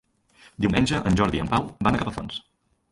Diumenge en Jordi i en Pau van a Capafonts.